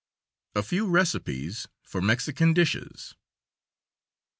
A FEW RECIPES FOR MEXICAN DISHES.